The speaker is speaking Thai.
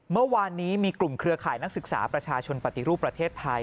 เมื่อวานนี้มีกลุ่มเครือข่ายนักศึกษาประชาชนปฏิรูปประเทศไทย